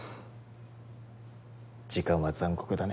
時間は残酷だね。